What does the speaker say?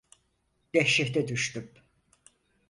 Dehşete düştüm.